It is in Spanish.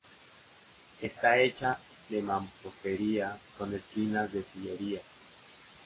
Está hecha de mampostería con esquinas de sillería.